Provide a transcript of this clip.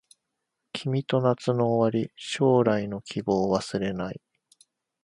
君と夏の終わり将来の希望忘れない